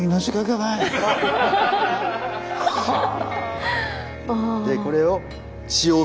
はあ。